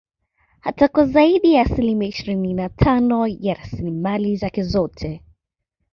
Hata kwa zaidi ya asilimia ishirini na Tano ya rasilimali zake zote